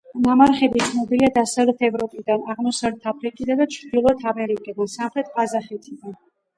ნამარხები ცნობილია დასავლეთ ევროპიდან, აღმოსავლეთ აფრიკიდან და ჩრდილოეთ ამერიკიდან, სამხრეთ ყაზახეთიდან.